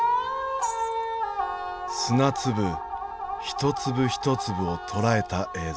砂粒一粒一粒を捉えた映像。